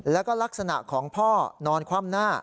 แล้วก็ลักษณะของพ่อนอนคว่ำหน้า